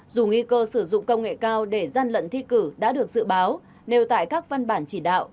dù nguy cơ sử dụng công nghệ cao để gian lận thi cử đã được dự báo nêu tại các văn bản chỉ đạo